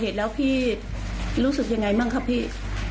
แต่มันเดินมากดี